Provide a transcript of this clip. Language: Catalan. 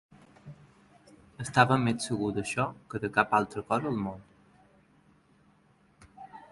Estava més segur d'això que de cap altra cosa al món.